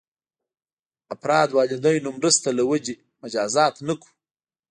افراد والدینو مرسته له وجې مجازات نه کړو.